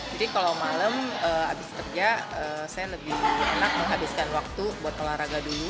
jadi kalau malam habis kerja saya lebih enak menghabiskan waktu buat olahraga dulu